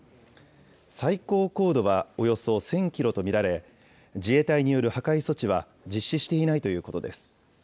最高高度はおよそ１０００キロと見られ、自衛隊による破壊措置は実施していないということです。